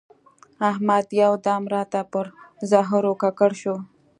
احمد یو دم راته پر زهرو ککړ شو.